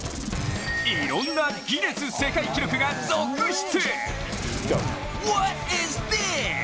いろんなギネス世界記録が続出。